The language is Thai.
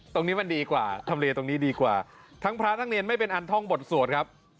ตรงนี้มันดีกว่าทำเลตรงนี้ดีกว่าทั้งพระทั้งเรียนไม่เป็นอันท่องบทสวดครับ